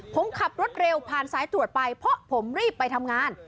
ผมขับรถเร็วผ่านสายตรวจไปเพราะผมรีบไปทำงาน